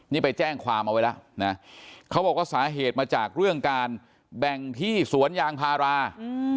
นี่ไปแจ้งความเอาไว้แล้วนะเขาบอกว่าสาเหตุมาจากเรื่องการแบ่งที่สวนยางพารา